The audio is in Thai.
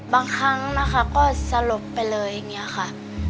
บางครั้งนะคะก็สลบไปเลยอย่างนี้ค่ะ